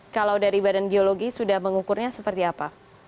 kalau dari badan geologi sudah mengukurnya seperti apa